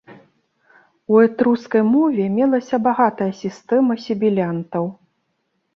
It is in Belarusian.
У этрускай мове мелася багатая сістэма сібілянтаў.